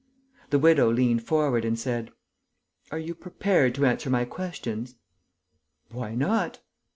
The widow leant forward and said: "Are you prepared to answer my questions?" "Why not?"